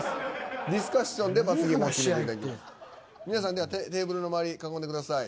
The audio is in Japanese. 皆さんではテーブルの周り囲んでください。